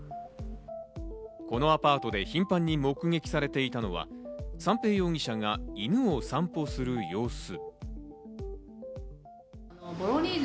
このアパートで頻繁に目撃されていたのは三瓶容疑者が犬を散歩する様子。